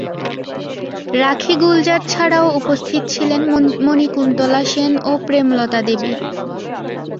রাখী গুলজার ছাড়াও উপস্থিত ছিলেন মণিকুন্তলা সেন এবং প্রেমলতা দেবী।